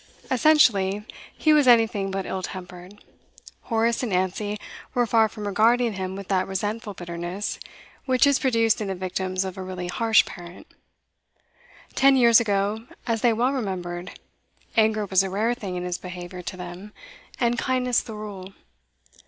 Essentially, he was anything but ill tempered; Horace and Nancy were far from regarding him with that resentful bitterness which is produced in the victims of a really harsh parent. Ten years ago, as they well remembered, anger was a rare thing in his behaviour to them, and kindness the rule.